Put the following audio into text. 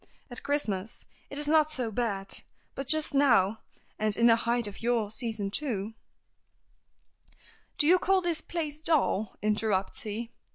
At Christmas it is not so bad, but just now, and in the height of your season, too, " "Do you call this place dull?" interrupts he.